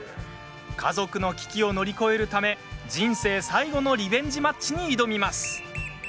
家族の危機を乗り越えるため人生最後のリベンジマッチに挑みます。